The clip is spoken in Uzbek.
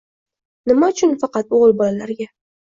Nima uchun faqat o‘g‘il bolalarga?